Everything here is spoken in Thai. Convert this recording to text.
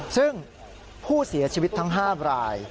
ซึ่งผู้เสียชีวิตทั้ง๕ราย